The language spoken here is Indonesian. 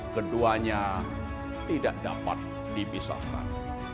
keduanya tidak dapat dibisarkan